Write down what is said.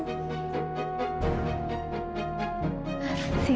tapi kenapa dia harus menyembunyikan semua itu